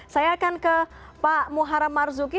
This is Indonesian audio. saya akan ke pak muharam marzuki